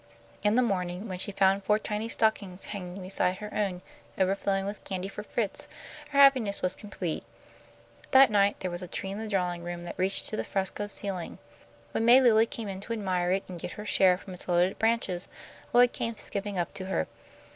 In the morning when she found four tiny stockings hanging beside her own, overflowing with candy for Fritz, her happiness was complete. That night there was a tree in the drawing room that reached to the frescoed ceiling. When May Lilly came in to admire it and get her share from its loaded branches, Lloyd came skipping up to her.